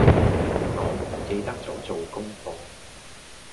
我唔記得咗做功課